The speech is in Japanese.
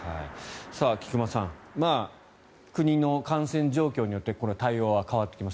菊間さん国の感染状況によって対応は変わってきます。